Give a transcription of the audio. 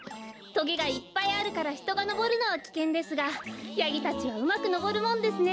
とげがいっぱいあるからひとがのぼるのはきけんですがヤギたちはうまくのぼるもんですね。